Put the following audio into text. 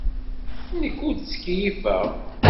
Nekk ur ttkeyyifeɣ.